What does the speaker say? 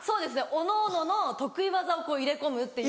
おのおのの得意技を入れ込むっていう。